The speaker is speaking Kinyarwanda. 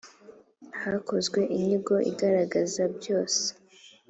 hakozwe inyigo igaragaza byose